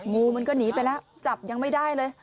งูมันก็หนีไปแล้วจับยังไม่ได้เลย